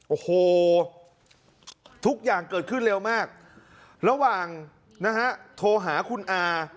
โอ้โหทุกอย่างเกิดขึ้นเร็วมากระหว่างนะฮะโทรหาคุณอา